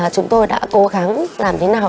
chúng tôi đã cố gắng làm thế nào